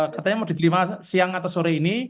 katanya mau diterima siang atau sore ini